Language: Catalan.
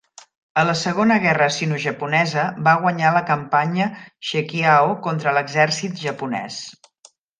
A la segona Guerra sinojaponesa, va guanyar la campanya Cheqiao contra l'exèrcit japonès.